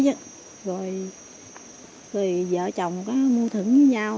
rồi vợ chồng có mua thửng với nhau